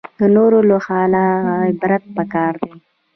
د نورو له حاله عبرت پکار دی